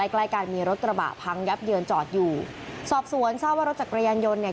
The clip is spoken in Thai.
ใกล้กันมีรถกระบะพังยับเยินจอดอยู่สอบสวนทราบว่ารถจักรยานยนต์เนี่ย